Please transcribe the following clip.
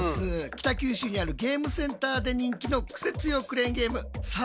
北九州にあるゲームセンターで人気のクセつよクレーンゲーム。